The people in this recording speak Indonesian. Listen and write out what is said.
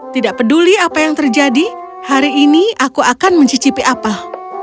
tidak peduli apa yang terjadi hari ini aku akan mencicipi apel